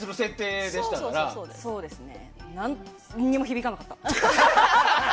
何にも響かなかった。